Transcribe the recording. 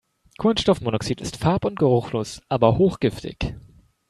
Kohlenstoffmonoxid ist farb- und geruchlos, aber hochgiftig.